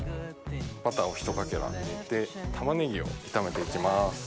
バターをひとかけら入れて玉ねぎを炒めていきます。